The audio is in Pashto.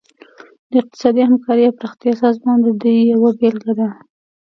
د اقتصادي همکارۍ او پراختیا سازمان د دې یوه بیلګه ده